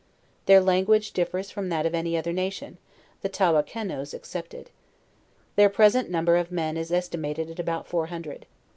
Their language differs from that of any other nation, the Tawakenoes excepted. Their present number of men is es timated at about four hundred.